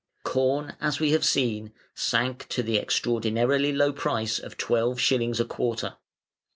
Corn, as we have seen, sank to the extraordinarily low price of twelve shillings a quarter.